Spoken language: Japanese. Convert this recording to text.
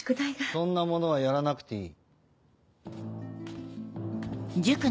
そんなものはやらなくていい。